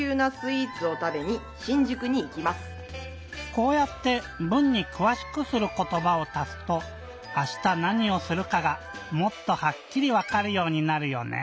こうやって文に「くわしくすることば」を足すとあしたなにをするかがもっとはっきりわかるようになるよね。